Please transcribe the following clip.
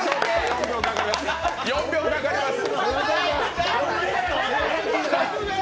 ４秒かかります。